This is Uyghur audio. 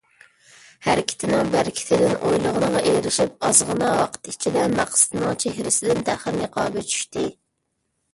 ھەرىكىتىنىڭ بەرىكىتىدىن ئويلىغىنىغا ئېرىشىپ، ئازغىنا ۋاقىت ئىچىدە، مەقسىتىنىڭ چېھرىسىدىن تەخىر نىقابى چۈشتى.